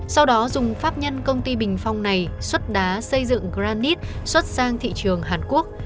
sau đó dùng pháp nhân công ty bình phong này xuất đá xây dựng granite xuất sang thị trường hàn quốc